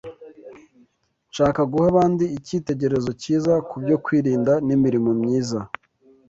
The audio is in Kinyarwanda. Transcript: Nshaka guha abandi icyitegererezo cyiza ku byo kwirinda n’imirimo myiza